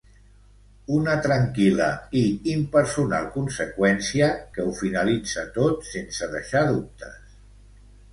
Una tranquil·la i impersonal conseqüència que ho finalitza tot sense deixar dubtes.